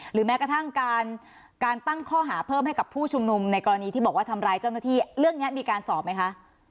แม้กระทั่งการตั้งข้อหาเพิ่มให้กับผู้ชุมนุมในกรณีที่บอกว่าทำร้ายเจ้าหน้าที่เรื่องนี้มีการสอบไหมคะ